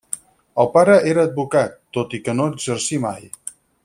El pare era advocat, tot i que no exercí mai.